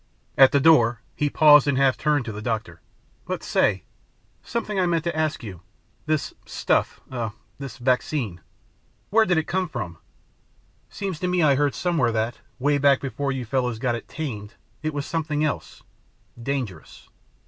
At the door he paused and half turned to the doctor, "But say ... something I meant to ask you. This 'stuff' ... er, this vaccine ... where did it come from? Seems to me I heard somewhere that, way back before you fellows got it 'tamed' it was something else dangerous.